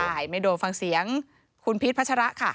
ใช่ไม่โดนฟังเสียงคุณพีชพัชระค่ะ